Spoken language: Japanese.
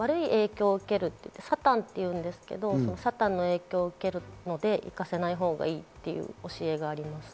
悪い影響も受けるサタンというんですけれども、影響を受けるので、行かせないほうがいいというお教えがあります。